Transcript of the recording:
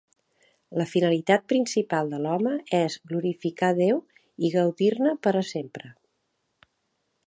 La finalitat principal de l'home és glorificar Déu i gaudir-ne per a sempre.